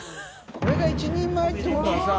これが１人前ってことはさ。